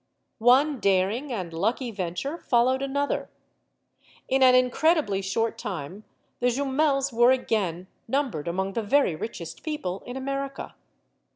One daring and lucky venture followed another. In MADAME JUMEL 99 an incredibly short time the Jumels were again num bered among the very richest people in America.